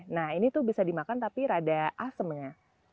nah ini tuh bisa dimakan tapi rada asemnya